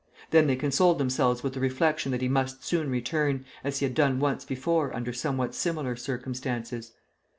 Then they consoled themselves with the reflection that he must soon return, as he had done once before under somewhat similar circumstances.